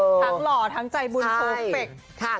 ทั้งหล่อทั้งใจบุญโฟเฟค